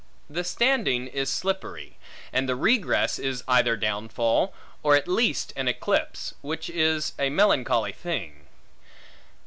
The standing is slippery, and the regress is either a downfall, or at least an eclipse, which is a melancholy thing.